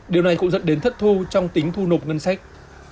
điều này cũng dẫn đến thất thu trong tính thu nộp ngân sách